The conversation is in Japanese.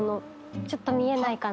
ちょっと見えないかな。